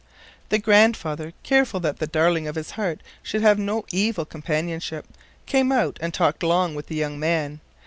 The grandfather, careful that the darling of his heart should have no evil companionship, came out and talked long with the young man.